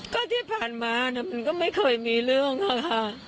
ก็ที่ผ่านมามันก็ไม่เคยมีเรื่องค่ะ